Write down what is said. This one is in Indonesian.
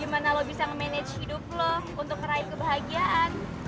gimana lo bisa ngemanage hidup lo untuk meraih kebahagiaan